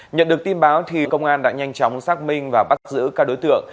nhận được tin báo công an đã nhanh chóng xác minh và bắt giữ các đối tượng